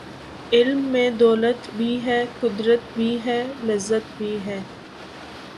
علم میں دولت بھی ہے ،قدرت بھی ہے ،لذت بھی ہے